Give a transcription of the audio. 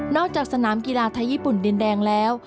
จากสนามกีฬาไทยญี่ปุ่นดินแดงแล้ว